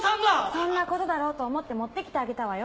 そんなことだろうと思って持って来てあげたわよ。